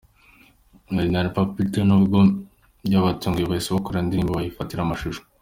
Marina na Papito nubwo byabatunguye bahise bakorana indirimbo bayifatira amashusho.